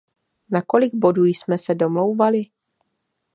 Na kolik bodů jsme se domlouvali?